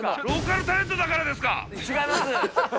ローカルタレントだからです違います。